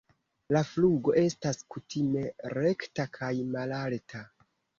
La flugo estas kutime rekta kaj malalta.